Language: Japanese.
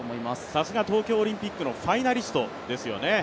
さすが東京オリンピックのファイナリストですよね。